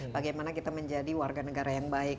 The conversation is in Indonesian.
bagaimana kita menjadi warga negara yang baik